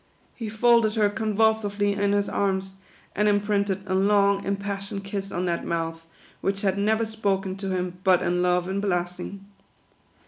He folded her convulsively in his arms, and imprinted a long, impassioned kiss on that mouth, which had never spoken to him but in love and blessing.